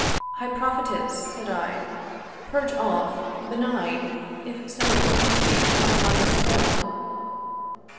'High Prophetess,' said I, 'purge off, 'Benign, if so it please thee, my mind's film.'